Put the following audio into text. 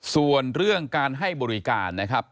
ส่วนเรื่องการให้บริการนะครับ